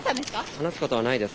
話すことはないです。